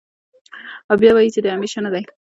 او بيا وائې چې د همېشه نۀ دے